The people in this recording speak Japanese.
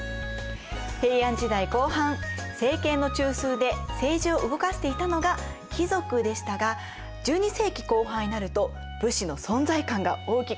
平安時代後半政権の中枢で政治を動かしていたのが貴族でしたが１２世紀後半になると武士の存在感が大きくなっていくんです。